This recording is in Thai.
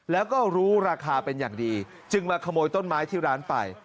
แล้วก็รู้ราคาเป็นอย่างดีจึงมาขโมยต้นไม้ที่ร้านไป